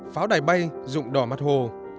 pháo đài bay dụng đỏ mặt hồ